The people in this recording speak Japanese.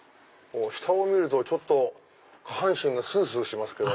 下を見るとちょっと下半身がススしますけど。